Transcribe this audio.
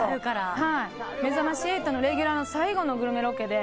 「めざまし８」のレギュラーの最後のグルメロケで。